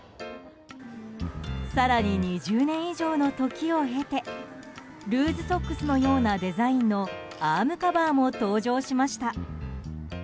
更に２０年以上の時を経てルーズソックスのようなデザインのアームカバーも登場しました。